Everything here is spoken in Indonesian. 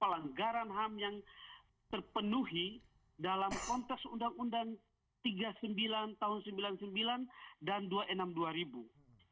pelanggaran ham yang terpenuhi dalam konteks undang undang tahun seribu sembilan ratus sembilan puluh sembilan dan tahun dua ribu